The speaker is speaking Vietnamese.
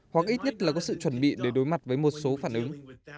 hoặc ít nhất là có sự chuẩn bị để đối mặt với một số phản ứng